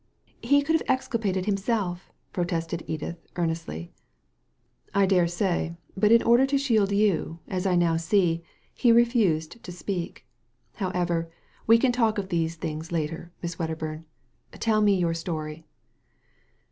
*He could have exculpated himself," protested Edith, earnestly. " I dare say ; but in order to shield you — ^as I now see— he refused to speak. However, we can talk of these things later, Miss Wedderburn. Tell me your story."